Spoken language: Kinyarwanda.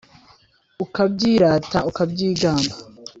Ukabyirata ukabyigamba